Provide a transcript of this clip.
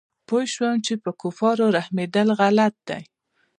پوه سوم چې پر کفارو رحمېدل غلط دي.